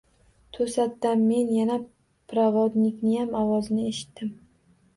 Toʻsatdan men yana provodnikning ovozini eshitdim.